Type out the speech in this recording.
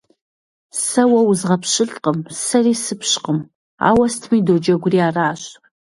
Сэ уэ узгъэпщылӀкъым, сэри сыпщкъым, ауэ сытми доджэгури аращ.